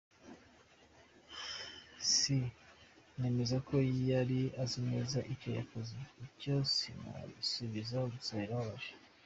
Si nemeza ko yari azi neza icyo yakoze, icyo sinagisubiza, gusa birababaje.